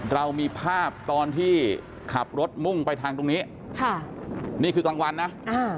เรามีภาพตอนที่ขับรถมุ่งไปทางตรงนี้ค่ะนี่คือกลางวันนะอ่า